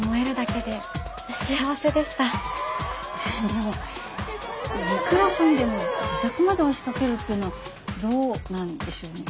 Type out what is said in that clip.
でもいくらファンでも自宅まで押しかけるっていうのはどうなんでしょうね。